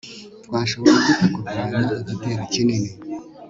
twashobora dute kurwanya igitero kinini